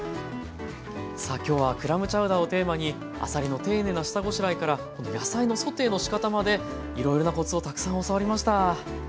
さあ今日はクラムチャウダーをテーマにあさりの丁寧な下ごしらえから野菜のソテーのしかたまでいろいろなコツをたくさん教わりました。